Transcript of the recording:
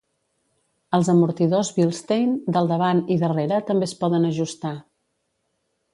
Els amortidors Bilstein del davant i darrere també es poden ajustar.